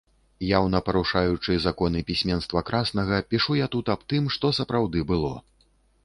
Яўна парушаючы законы пісьменства краснага, пішу я тут аб тым, што сапраўды было.